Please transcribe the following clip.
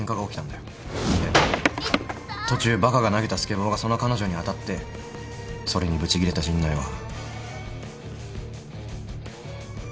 んで途中バカが投げたスケボーがその彼女に当たってそれにブチギレた陣内は。